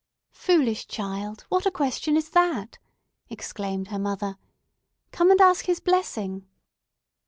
"Foolish child, what a question is that!" exclaimed her mother. "Come, and ask his blessing!"